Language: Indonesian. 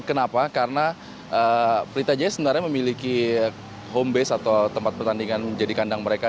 kenapa karena pelita jaya sebenarnya memiliki home base atau tempat pertandingan menjadi kandang mereka